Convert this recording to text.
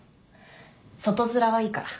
外づらはいいから。